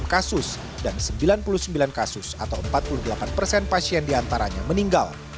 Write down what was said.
enam kasus dan sembilan puluh sembilan kasus atau empat puluh delapan persen pasien diantaranya meninggal